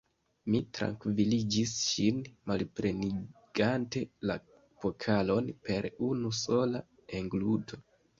Mi trankviligis ŝin, malplenigante la pokalon per unu sola engluto.